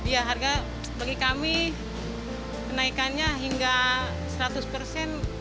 ya harga bagi kami kenaikannya hingga seratus persen